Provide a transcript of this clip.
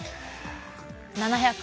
７００？